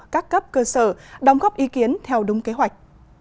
các cấp cơ sở đóng góp ý kiến theo đúng kế hoạch